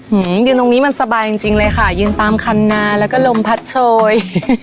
อืมยืนตรงนี้มันสบายจริงจริงเลยค่ะยืนตามคันนาแล้วก็ลมพัดโชย